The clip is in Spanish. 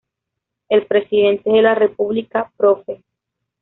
El Presidente de la República, Prof.